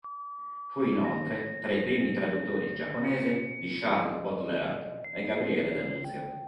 Fu inoltre tra i primi traduttori in giapponese di Charles Baudelaire e Gabriele D'Annunzio.